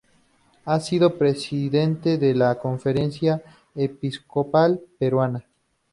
Ha sido presidente de la Conferencia Episcopal Peruana.